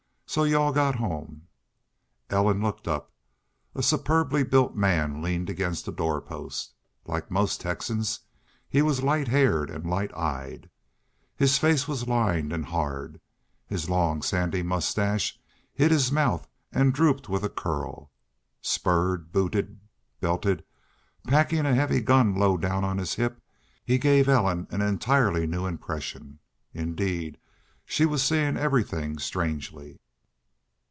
"So y'u all got home?" Ellen looked up. A superbly built man leaned against the doorpost. Like most Texans, he was light haired and light eyed. His face was lined and hard. His long, sandy mustache hid his mouth and drooped with a curl. Spurred, booted, belted, packing a heavy gun low down on his hip, he gave Ellen an entirely new impression. Indeed, she was seeing everything strangely.